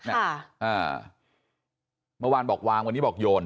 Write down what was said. เมื่อวานบอกวางวันนี้บอกโยน